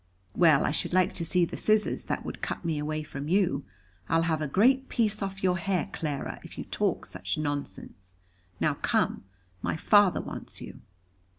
"Well, I should like to see the scissors that would cut me away from you. I'll have a great piece off your hair, Clara, if you talk such nonsense. Now come; my father wants you."